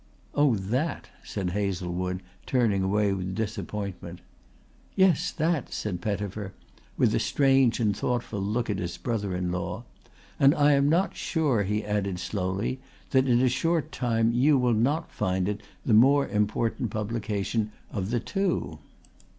"Oh, that?" said Hazlewood, turning away with disappointment. "Yes, that," said Pettifer with a strange and thoughtful look at his brother in law. "And I am not sure," he added slowly, "that in a short time you will not find it the more important publication of the two."